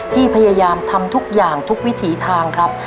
พยายามทำทุกอย่างทุกวิถีทางครับ